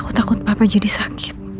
takut papa jadi sakit